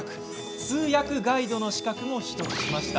通訳ガイドの資格も取得しました。